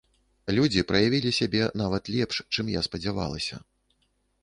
Людзі праявілі сябе нават лепш, чым я спадзявалася.